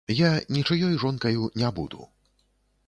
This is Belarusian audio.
Я нічыёй жонкаю не буду.